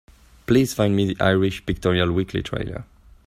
Please find me the Irish Pictorial Weekly trailer.